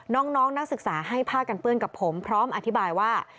น้องนักศึกษาให้ผ้ากันเปื้อนกับผมพร้อมอธิบายว่า